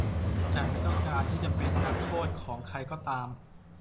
ฉันไม่ต้องการที่จะเป็นนักโทษของใครก็ตาม